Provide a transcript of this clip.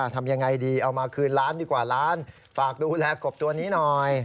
ทำยังไงดีเอามาคืนล้านดีกว่าล้านฝากดูแลกบตัวนี้หน่อย